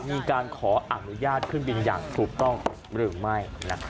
มีการขออนุญาตขึ้นบินอย่างถูกต้องหรือไม่